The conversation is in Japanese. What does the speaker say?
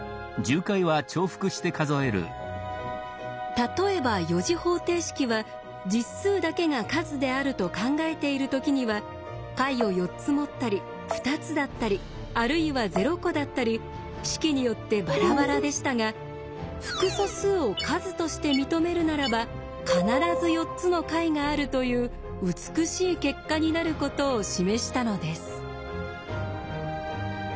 例えば４次方程式は実数だけが数であると考えている時には解を４つ持ったり２つだったりあるいは０個だったり式によってバラバラでしたが複素数を数として認めるならば必ず４つの解があるという美しい結果になることを示したのです。